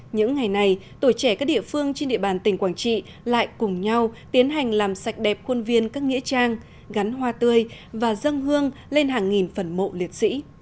những ngày này tuổi trẻ các địa phương trên địa bàn tỉnh quảng trị lại cùng nhau tiến hành làm sạch đẹp khuôn viên các nghĩa trang gắn hoa tươi và dân hương lên hàng nghìn phần mộ liệt sĩ